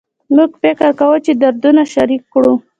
موږ فکر کوو چې دردونه شریک کړو